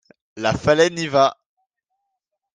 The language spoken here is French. La phalène y va.